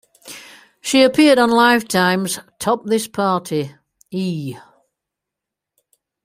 She appeared on Lifetime's "Top This Party", E!